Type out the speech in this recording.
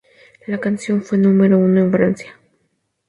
La canción fue número uno en Francia.